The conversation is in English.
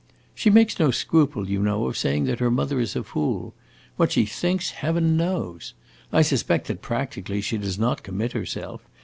"She makes no scruple, as you know, of saying that her mother is a fool. What she thinks, heaven knows. I suspect that, practically, she does not commit herself.